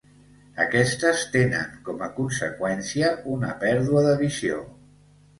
Aquestes tenen com a conseqüència una pèrdua de visió.